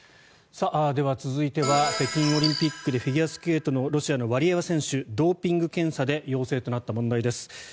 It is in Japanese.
では、続いては北京オリンピックでフィギュアスケートのロシアのワリエワ選手ドーピング検査で陽性となった問題です。